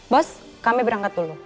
bos kami berangkat dulu